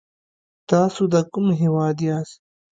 تاسو د کوم هېواد یاست ؟